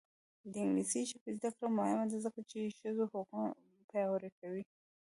د انګلیسي ژبې زده کړه مهمه ده ځکه چې ښځو حقونه پیاوړي کوي.